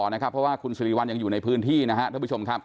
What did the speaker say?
เพราะว่าคุณสิริวัลยังอยู่ในพื้นที่นะครับท่านผู้ชมครับ